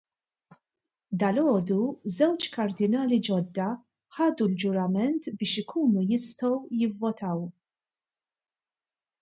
Dalgħodu żewġ Kardinali ġodda ħadu l-ġurament biex ikunu jistgħu jivvotaw.